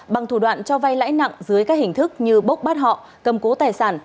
bằng thủ đoạn cho vay lãi nặng dưới các hình thức như bốc bắt họ cầm cố tài sản